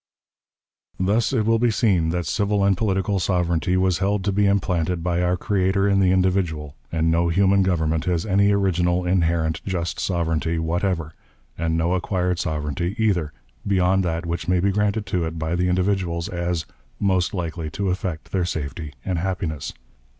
Thus it will be seen that civil and political sovereignty was held to be implanted by our Creator in the individual, and no human government has any original, inherent, just sovereignty whatever, and no acquired sovereignty either, beyond that which may be granted to it by the individuals as "most likely to effect their safety and happiness."